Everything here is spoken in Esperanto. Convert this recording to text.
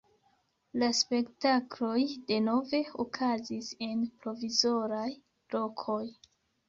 La spektakloj denove okazis en provizoraj lokoj.